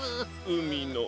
うみの。